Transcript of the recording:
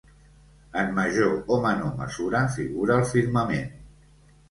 En major o menor mesura, figura al firmament.